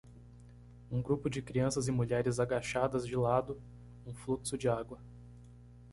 Um grupo de crianças e mulheres agachadas de lado um fluxo de água.